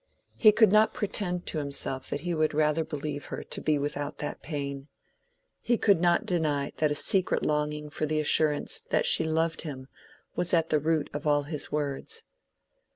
—he could not pretend to himself that he would rather believe her to be without that pain. He could not deny that a secret longing for the assurance that she loved him was at the root of all his words.